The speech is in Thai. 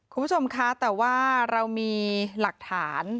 คุณผู้ชมคะแต่ว่าเรามีหลักฐาน